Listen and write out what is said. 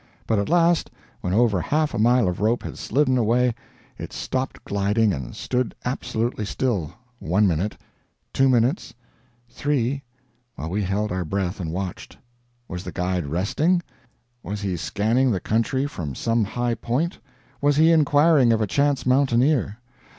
But at last, when over half a mile of rope had slidden away, it stopped gliding and stood absolutely still one minute two minutes three while we held our breath and watched. Was the guide resting? Was he scanning the country from some high point? Was he inquiring of a chance mountaineer?